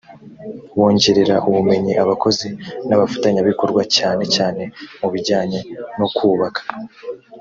wongerera ubumenyi abakozi n abafatanyabikorwa cyane cyane mu bijyanye no kubaka